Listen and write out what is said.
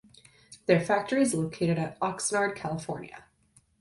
Their factory is located at Oxnard, California.